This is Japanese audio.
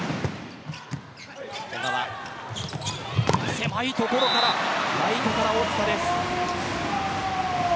狭いところライトから大塚です。